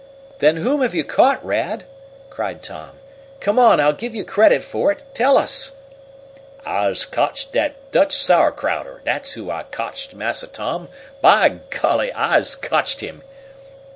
"Then whom have you caught, Rad?" cried Tom. "Come on, I'll give you credit for it. Tell us!" "I's cotched dat Dutch Sauerkrauter, dat's who I's cotched, Massa Tom! By golly, I's cotched him!"